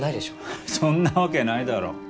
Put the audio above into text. ハッそんなわけないだろう？